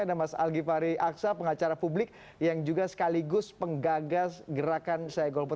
ada mas algi fari aksa pengacara publik yang juga sekaligus penggagas gerakan saya golput